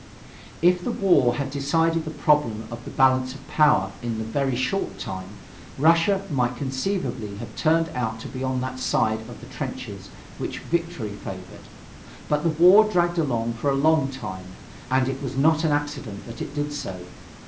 If the war had decided the problem of the balance of power in a very short time, Russia might conceivably have turned out to be on that side of the trenches which victory favored. But the war dragged along for a long time, and it was not an accident that it did so.